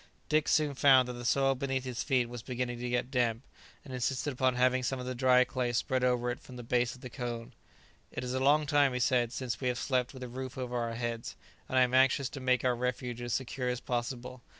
Dick soon found that the soil beneath his feet was beginning to get damp, and insisted upon having some of the dry clay spread over it from the base of the cone. "It is a long time," he said, "since we have slept with a roof over our heads; and I am anxious to make our refuge as secure as possible.